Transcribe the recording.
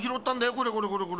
これこれこれこれ。